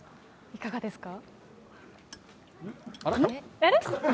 いかがですか？